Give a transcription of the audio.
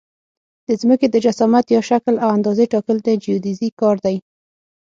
د ځمکې د جسامت یا شکل او اندازې ټاکل د جیودیزي کار دی